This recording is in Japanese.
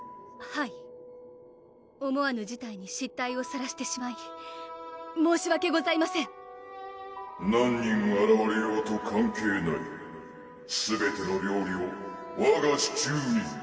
はい思わぬ事態に失態をさらしてしまい申しわけございません「何人あらわれようと関係ない」「すべての料理をわが手中に」